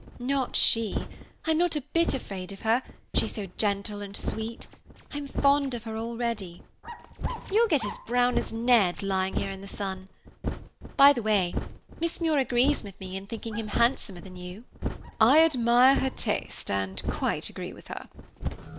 "Not she. I'm not a bit afraid of her, she's so gentle and sweet. I'm fond of her already. You'll get as brown as Ned, lying here in the sun. By the way, Miss Muir agrees with me in thinking him handsomer than you." "I admire her taste and quite agree with her."